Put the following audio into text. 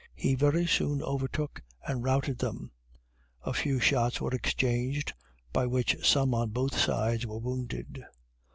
He very soon overtook and routed them. A few shots were exchanged, by which some on both sides were wounded."